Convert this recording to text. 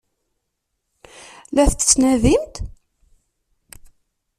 La t-tettnadimt?